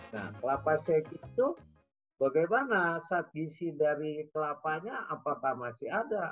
nah kelapa shake itu bagaimana saat gisi dari kelapanya apakah masih ada